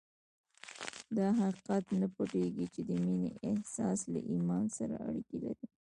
دا حقیقت نه پټېږي چې د مینې احساس له ایمان سره اړیکې لري